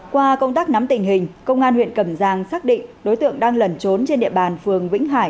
qua công tác nắm tình hình công an huyện cẩm giang xác định đối tượng đang lẩn trốn trên địa bàn phường vĩnh hải